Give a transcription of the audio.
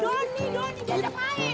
doni doni dia jepain